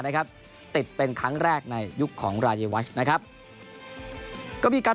นะครับติดเป็นครั้งแรกในยุคของรายวัชนะครับก็มีการ